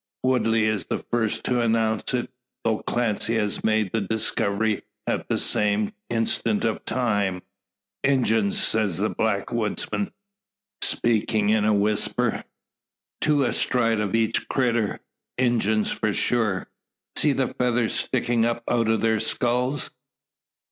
Woodley is the first to announce it, though Clancy has made the discovery at the same instant of time. "Injuns!" says the backwoodsman, speaking in a whisper. "Two astride o' each critter. Injuns, for sure. See the feathers stickin' up out o' their skulls!